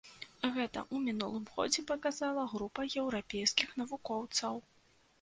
Гэта ў мінулым годзе паказала група еўрапейскіх навукоўцаў.